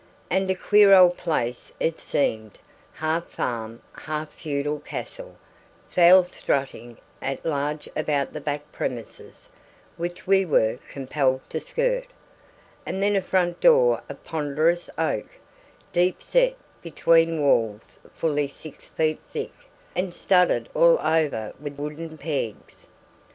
And a queer old place it seemed, half farm, half feudal castle: fowls strutting at large about the back premises (which we were compelled to skirt), and then a front door of ponderous oak, deep set between walls fully six feet thick, and studded all over with wooden pegs.